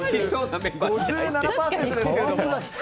５７％ですけれども。